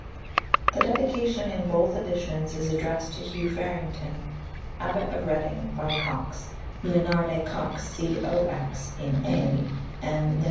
The Dedication in both editions is addressed to Hugh Faryngton, Abbot of Redynge, b} Cox — "Leonarde Cox" in (a) and "Leon.